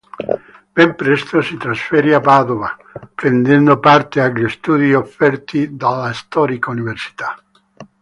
Ben presto si trasferì a Padova prendendo parte agli studi offerti dalla storica università.